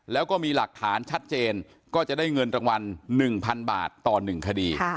แล้วก็มีหลักฐานชัดเจนก็จะได้เงินรางวัล๑๐๐๐บาทต่อ๑คดี